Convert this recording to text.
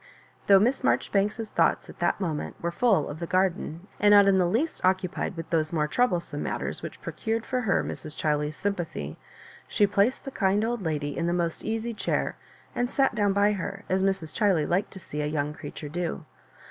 " Though Miss Maijori banks's thoughts at that moment were full of the garden, and not in the least occupied with those more troublesome matters which procured for her Mrs. Chiley's sympathy, she placed the kind old lady in the most easy chair, and sat down by her, as Mrs. Chiley liked to see a young creature do.